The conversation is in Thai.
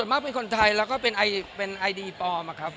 มากเป็นคนไทยแล้วก็เป็นไอดีปลอมอะครับ